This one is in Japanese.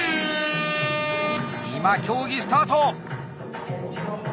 今競技スタート！